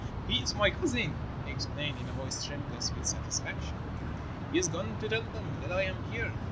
"He is my cousin," he explained in a voice tremulous with satisfaction. "He has gone to tell them that I am here.